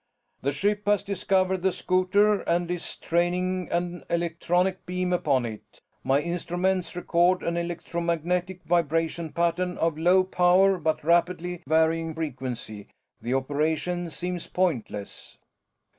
"The ship has discovered the scouter and is training an electronic beam upon it. My instruments record an electromagnetic vibration pattern of low power but rapidly varying frequency. The operation seems pointless."